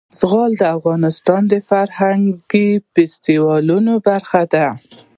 زغال د افغانستان د فرهنګي فستیوالونو برخه ده.